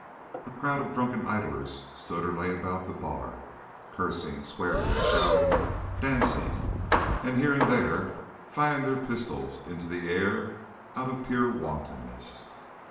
A crowd of drunken idlers stood or lay about the bar, cursing, swearing, shouting, dancing, and here and there firing their pistols into the air out of pure wantonness.